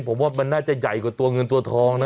ผมว่ามันน่าจะใหญ่กว่าตัวเงินตัวทองนะ